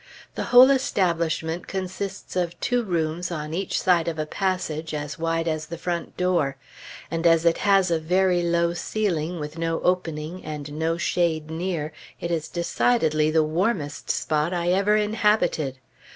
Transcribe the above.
The whole establishment consists of two rooms on each side of a passage as wide as the front door; and as it has a very low ceiling, with no opening, and no shade near, it is decidedly the warmest spot I ever inhabited.